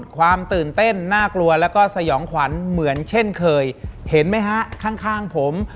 ความตื่นเต้นน่ากลัวแล้วก็สยองขวัญเหมือนเช่นเคยเห็นไหมฮะข้างผม